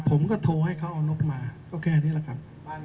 ผมก็โทรให้เขาเอานกมาก็แค่นี้แหละครับ